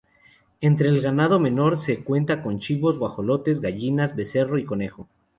Entre el ganado menor se cuenta con chivos, guajolotes, gallinas, becerro y conejo.